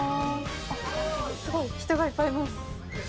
あっすごい人がいっぱいいます！